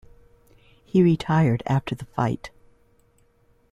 He retired after the fight.